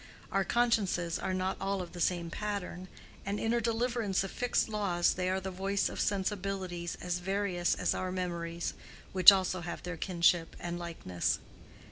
Our consciences are not all of the same pattern, an inner deliverance of fixed laws: they are the voice of sensibilities as various as our memories (which also have their kinship and likeness).